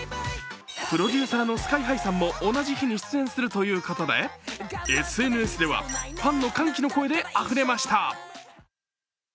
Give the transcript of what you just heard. プロデュースのＳＫＹ−ＨＩさんも同じ日に出演するということでＳＮＳではファンの歓喜の声であふれました。